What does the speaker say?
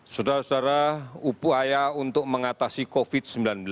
saudara saudara upaya untuk mengatasi covid sembilan belas